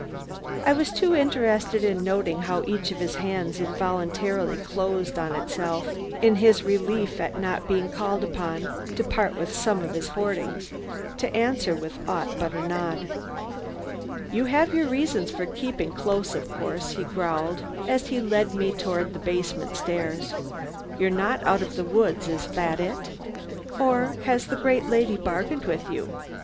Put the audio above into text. I was too interested in noting how each of his hands involuntarily closed on itself, in his relief at not being called upon to part with some of his hoardings, to answer with aught but a nod. "You have your reasons for keeping close, of course," he growled as he led the way toward the basement stairs. "You're not out of the woods, is that it? Or has the great lady bargained with you? Um?